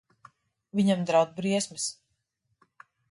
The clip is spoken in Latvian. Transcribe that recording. Viņam draud briesmas.